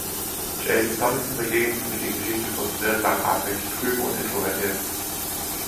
Jason Thompson dagegen findet die Geschichte frustrierend langatmig, trüb und introvertiert.